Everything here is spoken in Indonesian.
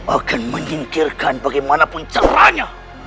akan menyingkirkan bagaimanapun caranya